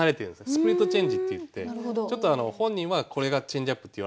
スプリットチェンジっていって本人はこれがチェンジアップって言われてるんですよね。